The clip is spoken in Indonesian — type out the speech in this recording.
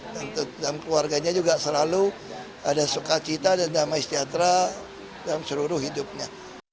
dan keluarganya juga selalu ada sukacita dan damai setiap dalam seluruh hidupnya